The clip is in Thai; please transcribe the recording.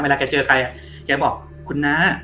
เวลาแกเจอใครอะแกบอกคุณนะ